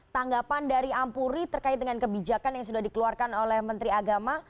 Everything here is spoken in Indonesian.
tanggapan dari ampuri terkait dengan kebijakan yang sudah dikeluarkan oleh menteri agama